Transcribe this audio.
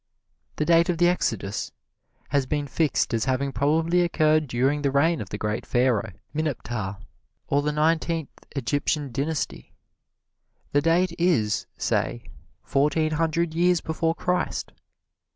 The date of the exodus has been fixed as having probably occurred during the reign of the Great Pharaoh, Mineptah, or the nineteenth Egyptian Dynasty. The date is, say, fourteen hundred years before Christ.